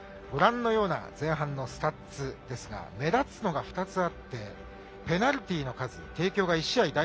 ご覧のような前半のスタッツですが目立つのが２つあってペナルティーの数帝京が１試合